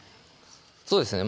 そうですね